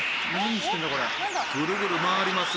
「ぐるぐる回ります。